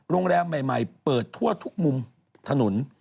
โรงแรมใหม่เปิดทั่วทุกมุมถนน